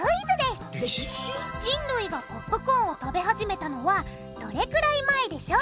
人類がポップコーンを食べ始めたのはどれくらい前でしょう？